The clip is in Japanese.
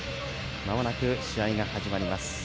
まもなく試合が始まります。